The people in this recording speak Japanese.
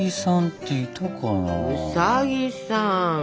ウサギさん？